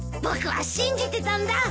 僕は信じてたんだ。